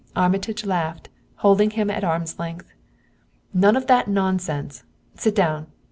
Armitage laughed, holding him at arm's length. "None of that nonsense! Sit down!"